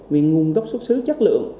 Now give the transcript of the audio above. về nguồn gốc xuất xứ chất lượng